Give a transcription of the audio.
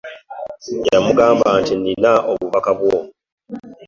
Yamugamba nti nina obubakabwo.